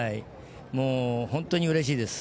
本当にうれしいです。